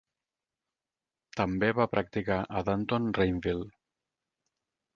També va practicar a Dunton Rainville.